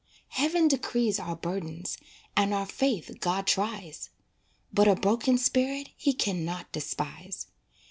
Heaven decrees our burdens, And our faith God tries; But a broken spirit He can not despise.